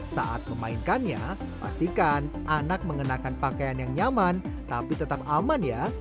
saat memainkannya pastikan anak mengenakan pakaian yang nyaman tapi tetap aman ya